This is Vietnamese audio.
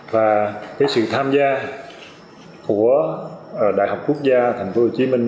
và sự tham gia của đại học quốc gia thành phố hồ chí minh